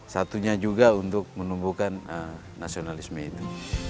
satunya juga untuk menumbuhkan nasionalisme itu